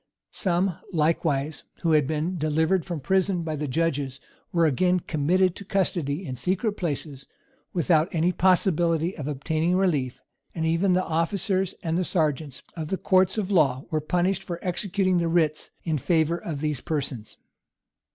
Some, likewise, who had been delivered from prison by the judges, were again committed to custody in secret places, without any possibility of obtaining relief; and even the officers and serjeants of the courts of law were punished for executing the writs in favor of these persons.